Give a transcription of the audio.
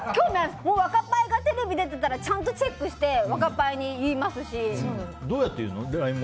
ワカパイがテレビ出てたらちゃんとチェックしてどうやって言うの？